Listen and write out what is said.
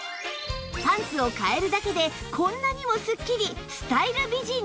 パンツを替えるだけでこんなにもすっきりスタイル美人に